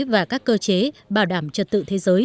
và các cơ chế bảo đảm trật tự thế giới